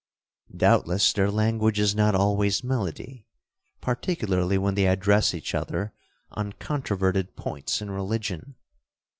'—'Doubtless their language is not always melody, particularly when they address each other on controverted points in religion.